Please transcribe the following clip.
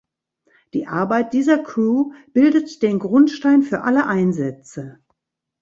Die Arbeit dieser Crew bildet den Grundstein für alle Einsätze.